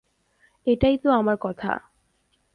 এটাই তো আমার কথা।